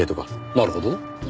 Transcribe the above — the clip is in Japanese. なるほど。